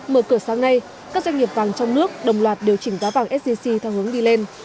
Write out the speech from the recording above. mở cửa sáng nay các doanh nghiệp vàng trong nước đồng loạt điều chỉnh giá vàng sgc theo hướng đi lên